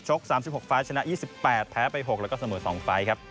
ชกสามสิบหกไฟล์ชนะยี่สิบแปดแพ้ไปหกแล้วก็สมุดสองไฟล์ครับ